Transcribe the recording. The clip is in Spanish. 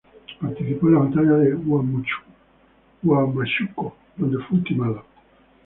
Participó en la batalla de Huamachuco donde fue ultimado.